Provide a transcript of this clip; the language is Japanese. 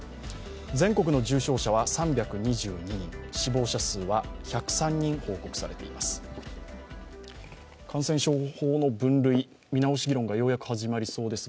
全国の重症者は３２２人死亡者数は１０３人報告されています。